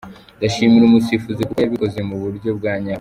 Ndashimira umusifuzi kuko yabikoze mu buryo bwa nyabwo.